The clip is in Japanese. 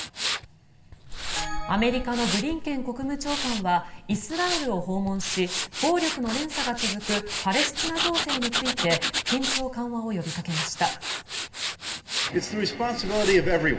アメリカのブリンケン国務長官はイスラエルを訪問し暴力の連鎖が続くパレスチナ情勢について緊張緩和を呼びかけました。